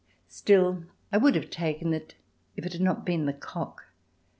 Still I would have taken it if it had not been the Cock.